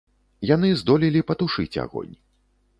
Яны здолелі патушыць агонь.